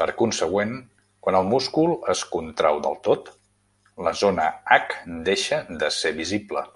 Per consegüent, quan el múscul es contreu del tot, la zona H deixa de ser visible.